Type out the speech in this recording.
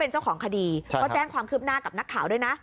หน้าฝั่งขวาคุณผู้ชม